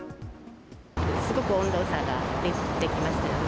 すごく温度差が出てきましたよね。